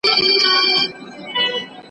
هغه د خپل قلم په وسیله د ولس شعور ته وده ورکړه.